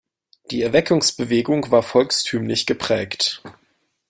Die Erweckungsbewegung war volkstümlich geprägt.